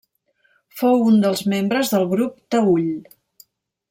Fou un dels membres del Grup Taüll.